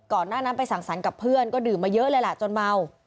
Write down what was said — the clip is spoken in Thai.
หน้านั้นไปสั่งสรรค์กับเพื่อนก็ดื่มมาเยอะเลยแหละจนเมา